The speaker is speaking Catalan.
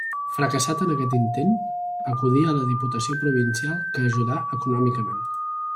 Fracassat aquest intent, acudí a la Diputació Provincial que ajudà econòmicament.